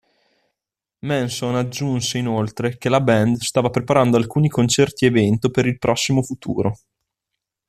Manson aggiunse inoltre che la band stava preparando alcuni concerti-evento per il prossimo futuro.